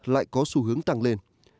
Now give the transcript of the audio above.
lại có xu hướng tăng lên